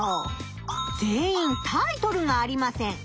全員タイトルがありません。